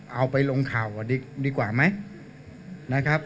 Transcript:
เอาไปลงข่าวดีกว่าไหมนะครับ